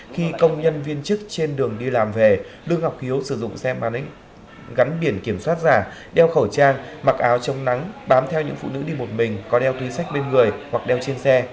khi công nhân viên chức trên đường đi làm về lương ngọc hiếu sử dụng xe máy gắn biển kiểm soát giả đeo khẩu trang mặc áo chống nắng bám theo những phụ nữ đi một mình có đeo túi sách bên người hoặc đeo trên xe